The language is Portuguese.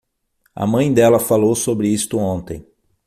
A mãe dela falou sobre isto ontem.